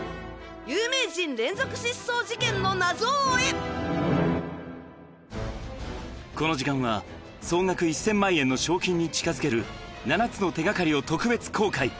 有名人連続失踪事件の謎を追えこの時間は、総額１０００万円の賞金に近づける７つの手がかりを特別公開。